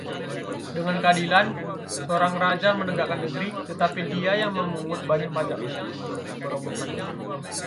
Dengan keadilan, seorang raja menegakkan negeri, tetapi dia yang memungut banyak pajak merobohkannya.